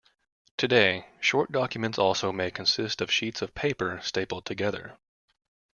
Today, short documents also may consist of sheets of paper stapled together.